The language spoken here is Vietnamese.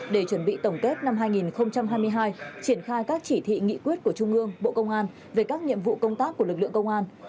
để chuẩn bị tổng kết năm hai nghìn hai mươi hai triển khai các chỉ thị nghị quyết của trung ương bộ công an về các nhiệm vụ công tác của lực lượng công an